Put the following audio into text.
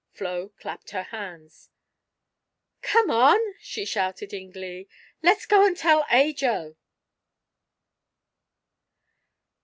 Flo clapped her hands. "Come on," she shouted in glee, "let's go and tell Ajo!"